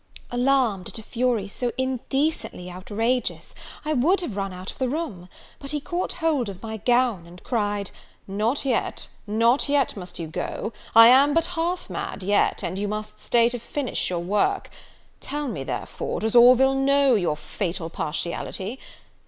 Alarmed at a fury so indecently outrageous, I would have run out of the room; but he caught hold of my gown, and cried, "Not yet, not yet must you go! I am but half mad yet, and you must stay to finish your work. Tell me, therefore, does Orville know your fatal partiality?